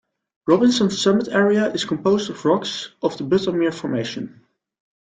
Robinson's summit area is composed of rocks of the Buttermere Formation.